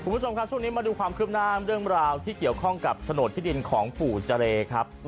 คุณผู้ชมครับช่วงนี้มาดูความคืบหน้าเรื่องราวที่เกี่ยวข้องกับโฉนดที่ดินของปู่เจรครับ